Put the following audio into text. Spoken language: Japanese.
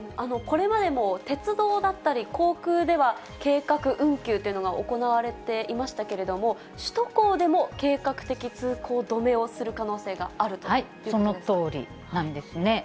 これまでも鉄道だったり、航空では、計画運休というのが行われていましたけれども、首都高でも計画的通行止めをする可能性があるということですか。